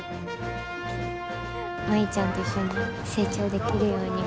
舞ちゃんと一緒に成長できるように。